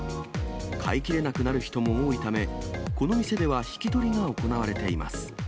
飼いきれなくなる人も多いため、この店では引き取りが行われています。